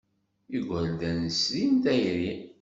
Igerdan srin tayri.